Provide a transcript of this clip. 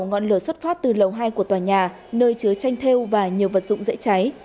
ngọn lửa xuất phát từ lầu hai của tòa nhà nơi chứa chanh theo và nhiều vật dụng dễ cháy